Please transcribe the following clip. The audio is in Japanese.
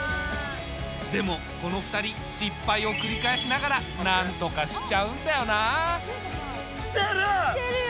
でもこの２人失敗を繰り返しながらなんとかしちゃうんだよなあ。来てる！来てるよこれ！